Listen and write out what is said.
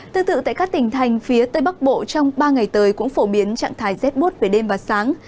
tương tự tại các tỉnh thành phía tây bắc bộ trong ba ngày tới cũng phổ biến trạng thái rét bút về đêm và sáng